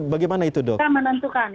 bagaimana itu dok kita menentukan ya